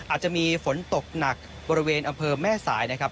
อาจจะมีฝนตกหนักบริเวณอำเภอแม่สายนะครับ